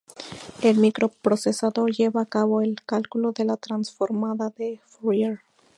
El microprocesador lleva a cabo el cálculo de la transformada de Fourier.